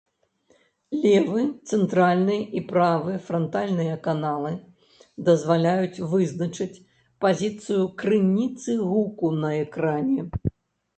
Левы, цэнтральны і правы франтальныя каналы дазваляюць вызначыць пазіцыю крыніцы гуку на экране.